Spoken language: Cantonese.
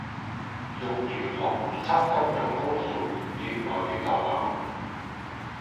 用玄學預測金融風險愈來愈流行